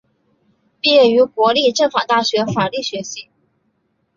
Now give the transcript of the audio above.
毕业于国立政治大学法律学系。